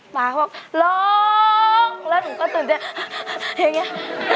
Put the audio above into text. บ๊าซบอกล้องแล้วหนูก็ตื่นเต้นอย่างเงี้ย